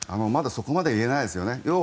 まだ、そこまでは言えないですよね。